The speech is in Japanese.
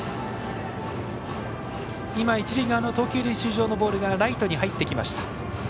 一塁側の投球練習場のボールがライトに入ってきました。